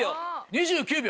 ２９秒。